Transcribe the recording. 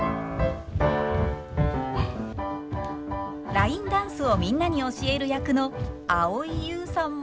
ラインダンスをみんなに教える役の蒼井優さんも。